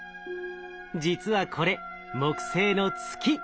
実はこれ木星の月！